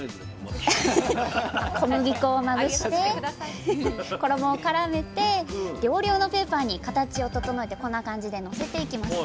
小麦粉をまぶして衣をからめて料理用のペーパーに形を整えてこんな感じでのせていきます。